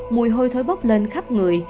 mùi hôi thối bốc lên khắp người